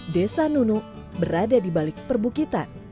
desa nunuk berada di balik perbukitan